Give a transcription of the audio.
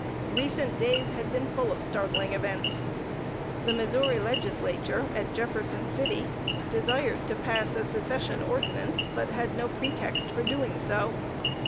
Recent days had been full of startling events. The Missouri Legislature, at Jefferson City, desired to pass a Secession ordinance, but had no pretext for doing so.